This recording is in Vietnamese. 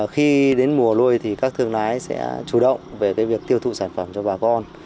khi đến mùa nuôi thì các thương lái sẽ chủ động về việc tiêu thụ sản phẩm cho bà con